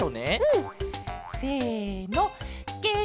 せの！